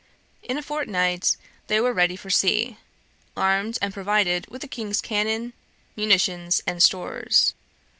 In a fortnight they were ready for sea, armed and provided with the King's cannon, munitions, and stores.